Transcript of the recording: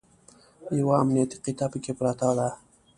یوه امنیتي قطعه پکې پرته ده.